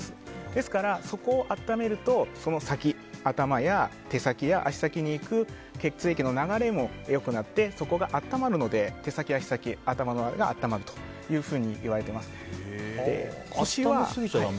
ですから、そこを温めるとその先、頭や手先や足先に行く血液の流れも良くなってそこが温まるので手先、足先、頭が温まるといわれています。